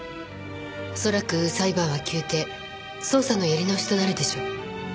恐らく裁判は休廷捜査のやり直しとなるでしょう。